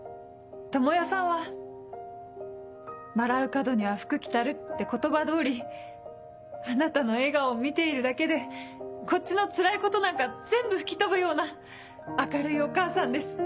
智代さんは「笑う門には福来たる」って言葉通りあなたの笑顔を見ているだけでこっちのつらいことなんか全部吹き飛ぶような明るいお母さんです。